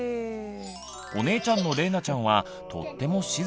お姉ちゃんのれいなちゃんはとっても静か。